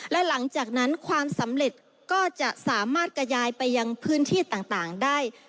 และหลังจากนั้นความสำเร็จก็จะสามารถกระจายไปยังพื้นที่ต่างได้